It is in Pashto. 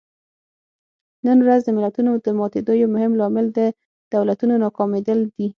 نن ورځ د ملتونو د ماتېدو یو مهم لامل د دولتونو ناکامېدل دي.